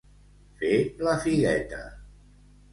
Fer la figueta.